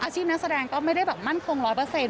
นักแสดงก็ไม่ได้แบบมั่นคงร้อยเปอร์เซ็น